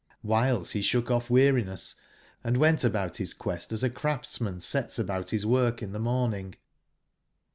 CQhiles he shook off weariness, and went about his quest as a craftsman sets about his work in the morning.